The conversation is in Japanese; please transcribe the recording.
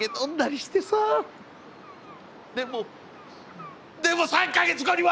でもでも３か月後には！